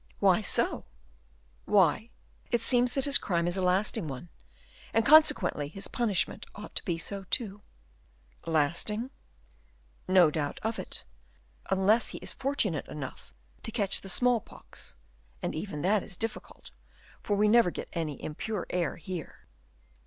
'" "Why so?" "Why, it seems that his crime is a lasting one; and, consequently, his punishment ought to be so, too." "Lasting?" "No doubt of it, unless he is fortunate enough to catch the small pox, and even that is difficult, for we never get any impure air here."